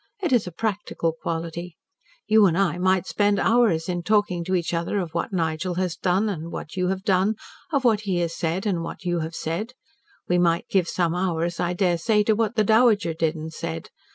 It is a practical quality. You and I might spend hours in talking to each other of what Nigel has done and what you have done, of what he has said, and of what you have said. We might give some hours, I daresay, to what the Dowager did and said.